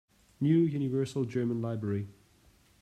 New Universal German Library